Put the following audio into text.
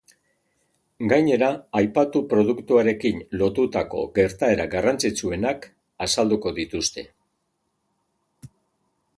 Gainera, aipatu produktuarekin lotutako gertaera garrantzitsuenak azalduko dituzte.